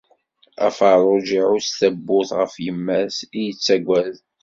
Afeṛṛuǧ iɛuss tawwurt ɣef yemma-s i yettaggad.